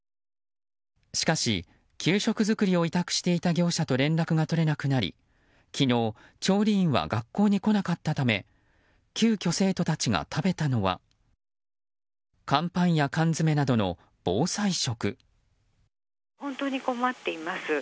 しかし給食作りを委託していた業者と連絡が取れなくなり昨日、調理員が学校に来なかったため急きょ、生徒達が食べたのは乾パンや缶詰などの防災食。